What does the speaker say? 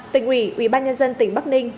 tỉnh ủy ubnd tỉnh bắc ninh